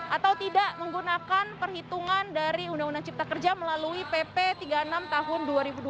atau tidak menggunakan perhitungan dari undang undang cipta kerja melalui pp tiga puluh enam tahun dua ribu dua puluh